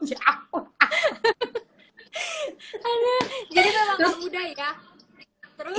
jadi itu langsung mudah ya